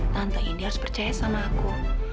tante ini harus percaya sama aku